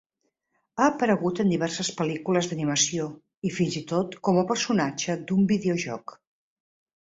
Ha aparegut en diverses pel·lícules d'animació i fins i tot com a personatge d'un videojoc.